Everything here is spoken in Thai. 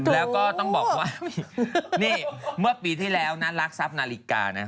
แล้วก็ต้องบอกว่านี่เมื่อปีที่แล้วน่ารักทรัพย์นาฬิกานะ